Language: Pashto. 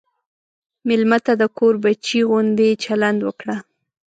مېلمه ته د کور بچی غوندې چلند وکړه.